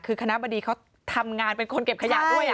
คือคณะบดีเขาทำงานเป็นคนเก็บขยะด้วย